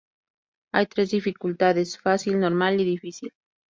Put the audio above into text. Hay tres dificultades: "Fácil", "Normal", y "Difícil".